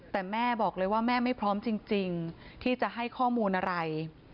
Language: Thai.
แต่แม่บอกเลยว่าแม่ไม่พร้อมจริงที่จะให้ข้อมูลอะไร